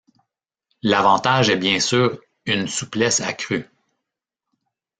L'avantage est bien sûr une souplesse accrue.